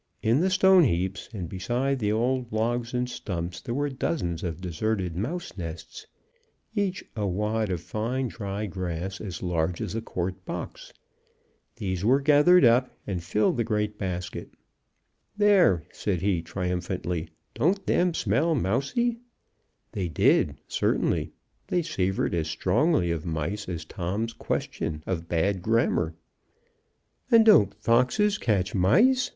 In the stone heaps, and beside the old logs and stumps, there were dozens of deserted mouse nests, each a wad of fine dry grass as large as a quart box. These were gathered up, and filled the great basket. "There," said he, triumphantly, "don't them smell mousey?" They did, certainly; they savored as strongly of mice as Tom's question of bad grammar. "And don't foxes catch mice?"